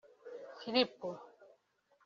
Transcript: Filipo